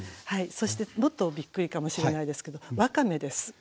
そしてもっとびっくりかもしれないですけどわかめです。